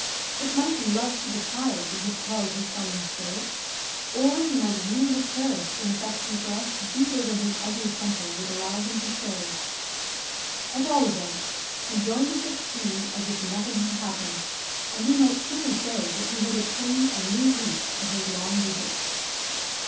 It might be love to the child that had quelled his sullen spirit, or he might really have cherished an affection for us deeper than his ugly temper would allow him to show. At all events, he joined us at tea as if nothing had happened, and we might truly say that he had obtained a new lease of his long visit.